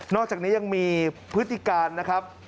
อกจากนี้ยังมีพฤติการนะครับ